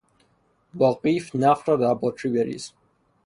با قیف نفت را در بطری بریز.